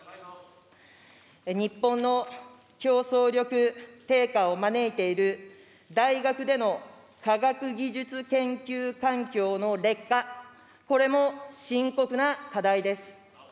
日本の競争力低下を招いている、大学での科学技術研究環境の劣化、これも深刻な課題です。